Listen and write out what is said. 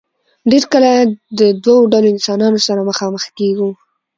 ډېر کله د دو ډلو انسانانو سره مخامخ کيږو